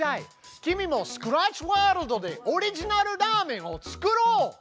君もスクラッチワールドでオリジナルラーメンを作ろう！